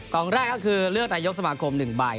แรกก็คือเลือกนายกสมาคม๑ใบ